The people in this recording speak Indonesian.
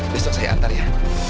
besok saya antar ya